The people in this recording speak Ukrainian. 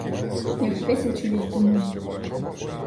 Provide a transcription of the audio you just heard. Як тисячу літ тому.